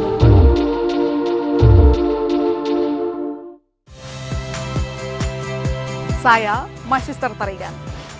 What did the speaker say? sampai jumpa di video selanjutnya